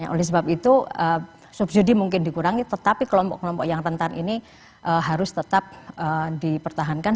oleh sebab itu subsidi mungkin dikurangi tetapi kelompok kelompok yang rentan ini harus tetap dipertahankan